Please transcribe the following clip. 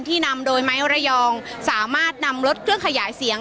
นำโดยไม้ระยองสามารถนำรถเครื่องขยายเสียง